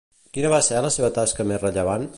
Quina va ser la seva tasca més rellevant?